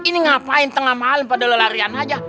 ini ngapain tengah malam pada lelah riana aja